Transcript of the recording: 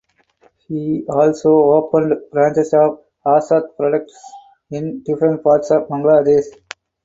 He also opened branches of Azad products in different parts of Bangladesh.